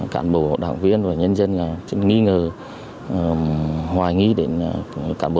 cảm bộ đảng viên và nhân dân nghi ngờ hoài nghĩ đến cảm bộ